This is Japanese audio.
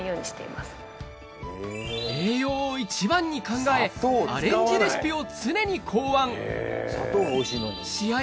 栄養を一番に考えアレンジレシピを常に考案試合